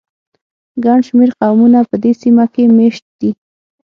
ګڼ شمېر قومونه په دې سیمه کې مېشت دي.